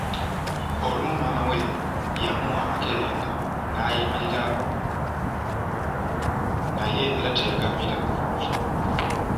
Olumu maama we yamuwa amakerenda naayimirirawo naye era teyagamira